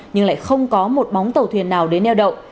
nhưng lại không có một bóng tàu thuyền nào đến neo đậu